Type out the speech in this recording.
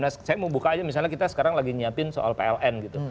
nah saya mau buka aja misalnya kita sekarang lagi nyiapin soal pln gitu